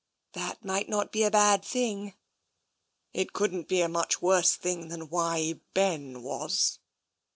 " That might not be a bad thing." 222 TENSION "It couldn't be a much worse thing than 'Why, Ben !' was."